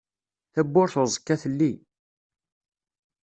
Tabburt uẓekka telli.